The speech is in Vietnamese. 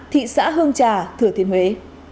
thị xã hương trà thừa thiên huế